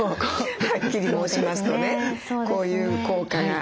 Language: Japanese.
はっきり申しますとねこういう効果が。